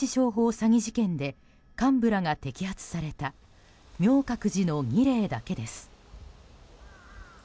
詐欺事件で幹部らが摘発された明覚寺の２例だけです。